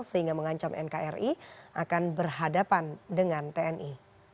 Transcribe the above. sehingga mengancam nkri akan berhadapan dengan tni